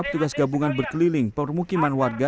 petugas gabungan berkeliling permukiman warga